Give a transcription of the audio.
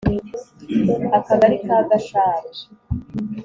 akagali ka Gasharu